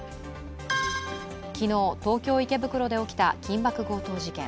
昨日、東京・池袋で起きた緊縛強盗事件。